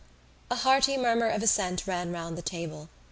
A hearty murmur of assent ran round the table.